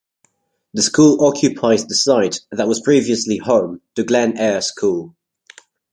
The school occupies the site that was previously home to Glen Eyre School.